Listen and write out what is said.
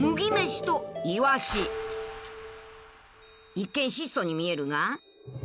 一見質素に見えるが。